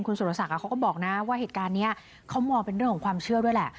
สุรศักดิ์เขาก็บอกนะว่าเหตุการณ์นี้เขามองเป็นเรื่องของความเชื่อด้วยแหละ